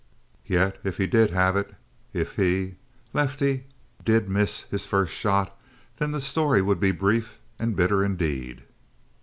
Yet if he did have it if he, Lefty, did miss his first shot then the story would be brief and bitter indeed.